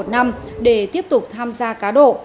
để tiếp tục tham gia cá độ